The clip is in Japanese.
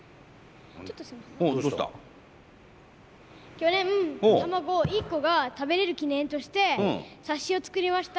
去年卵１個が食べれる記念として冊子を作りました。